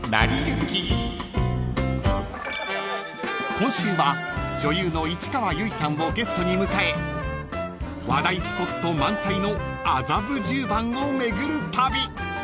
［今週は女優の市川由衣さんをゲストに迎え話題スポット満載の麻布十番を巡る旅］